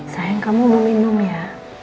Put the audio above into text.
sayang kamu belum minum ya